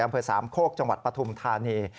อำเภอสามโคกจังหวัดปฐุมธานี